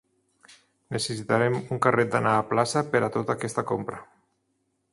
Necessitarem un carret d'anar a plaça per a tota aquesta compra.